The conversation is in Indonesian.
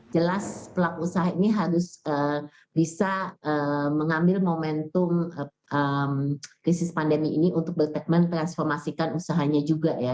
jelas pelaku usaha ini harus bisa mengambil momentum krisis pandemi ini untuk bertekmen transformasikan usahanya juga ya